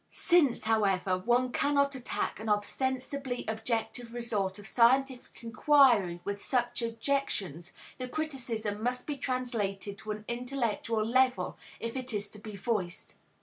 Since, however, one cannot attack an ostensibly objective result of scientific inquiry with such objections, the criticism must be translated to an intellectual level if it is to be voiced.